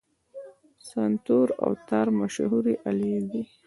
سنتور او تار مشهورې الې دي.